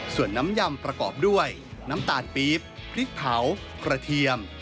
ส่วนน้ำยำประกอบด้วยน้ำตาลปี๊บพริกเผากระเทียม